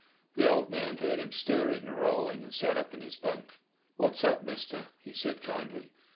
The old man heard him stirring and rolling, and sat up in his bunk. "What's up, Mister?" he said kindly.